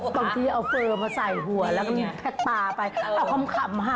บางทีเอาเฟอร์มาใส่หัวแล้วก็มีแท็กปลาไปเอาขำค่ะ